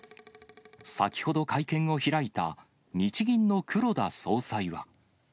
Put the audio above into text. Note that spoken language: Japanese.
先ほど、会見を開いた日銀の黒田総裁は。